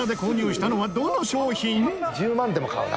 １０万でも買うな。